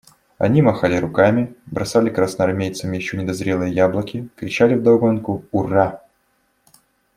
Они махали руками, бросали красноармейцам еще недозрелые яблоки, кричали вдогонку «ура».